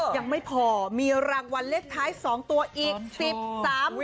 ยังไม่พอมีรางวัลเลขท้าย๒ตัวอีก๑๓ตัว